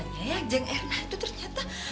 kok bisa bisanya ya jeng erna itu ternyata